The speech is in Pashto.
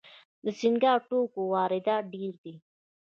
د سینګار توکو واردات ډیر دي